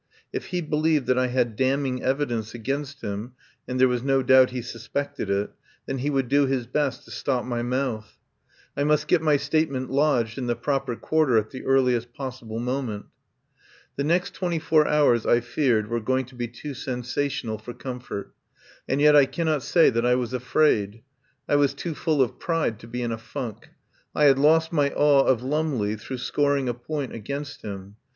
If he believed that I had damning evidence against him — and there was no doubt he suspected it — then he would do his best to stop my mouth. I must get my statement lodged in the proper quarter at the earliest possible moment. The next twenty four hours, I feared, were going to be too sensational for comfort. And yet I cannot say that I was afraid. I was too full of pride to be in a funk. I had lost my awe of Lumley through scoring a point against him.